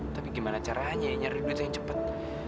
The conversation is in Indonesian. tapi gimana caranya nyari duit yang cepat